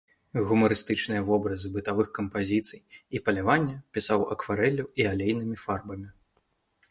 Гумарыстычныя вобразы бытавых кампазіцый і палявання пісаў акварэллю і алейнымі фарбамі.